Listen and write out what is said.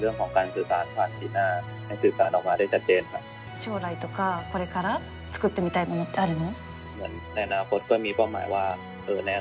将来とかこれから作ってみたいものってあるの？